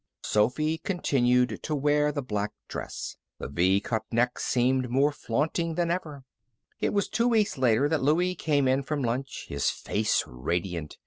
Sophy continued to wear the black dress. The V cut neck seemed more flaunting than ever. It was two weeks later that Louie came in from lunch, his face radiant.